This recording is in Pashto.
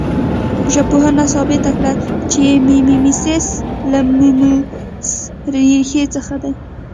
ژبپوهانو ثابته کړې چې میمیسیس له میموس ریښې څخه دی